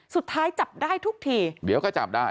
สุดท้ายจับได้ทุกทีเดี๋ยวก็จับได้